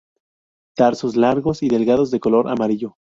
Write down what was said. Tarsos: largos y delgados, de color amarillo.